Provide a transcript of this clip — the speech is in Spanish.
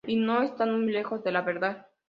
Y no están muy lejos de la verdad.